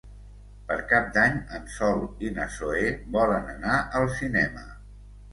Per Cap d'Any en Sol i na Zoè volen anar al cinema.